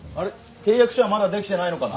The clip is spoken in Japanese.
契約書はまだ出来てないのかな？